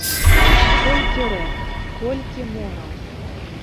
Колькі рэк, колькі мораў!